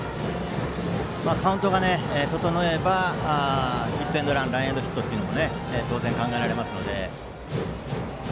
カウントが整えばヒットエンドランランエンドヒットも当然、考えられますので。